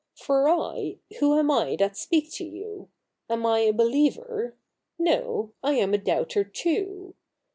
For I — who am I that speak to you ? Am I a believer ? No, I am a doubter too.